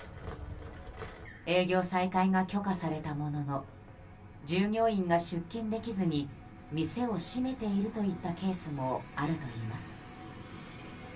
営業再開が許可されたものの従業員が出勤できずに店を閉めているといったケースもあるといいます。